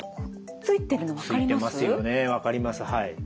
ついてますよね分かりますはい。